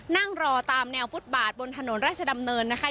นั่งรอตามแนวฟุตบาทบนถนนราชดำเนินนะคะ